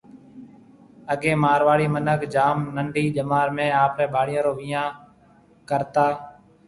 اگَي مارواڙي مِنک جام ننڊِي جمار ۾ آپرَي ٻاݪيون رو وڃان ڪرتا